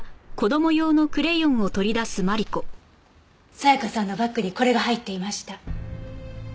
沙也加さんのバッグにこれが入っていました。